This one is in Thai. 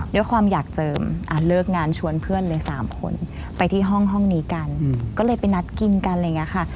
ด้วยความอยากเจิมเลิกงานชวนเพื่อนเลย๓คนไปที่ห้องนี้กันก็เลยไปนัดกินกันอะไรอย่างนี้ค่ะ